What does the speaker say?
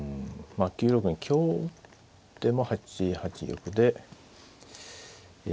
あ９六に香打っても８八玉でえ。